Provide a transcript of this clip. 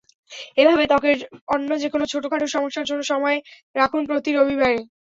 এভাবে ত্বকের অন্য যেকোনো ছোটখাট সমস্যার জন্য সময় রাখুন প্রতি রোববারে।